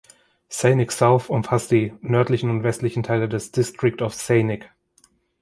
Saanich South umfasst die nördlichen und westlichen Teile des District of Saanich.